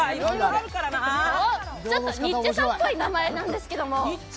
ニッチェさんっぽい名前なんですけど。